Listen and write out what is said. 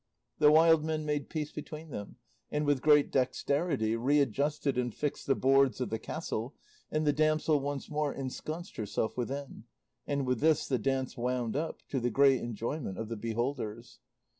The wild men made peace between them, and with great dexterity readjusted and fixed the boards of the castle, and the damsel once more ensconced herself within; and with this the dance wound up, to the great enjoyment of the beholders.